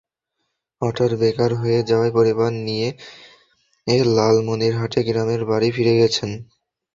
হঠাৎ বেকার হয়ে যাওয়ায় পরিবার নিয়ে লালমনিরহাটে গ্রামের বাড়ি ফিরে গেছেন।